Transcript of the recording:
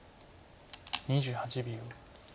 ２８秒。